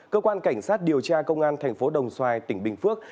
cơ quan cảnh sát điều tra công an tp đồng xoài tỉnh bình phước